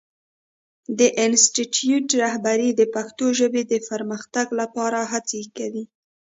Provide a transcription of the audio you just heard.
د انسټیټوت رهبري د پښتو ژبې د پرمختګ لپاره هڅې کوي.